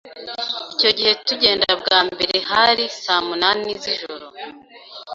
Icyo gihe tugenda bwa mbere hari saa munani z’ijoro